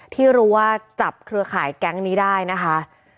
ที่รู้ว่าจับเครือข่ายแก๊งนี้ได้นะคะ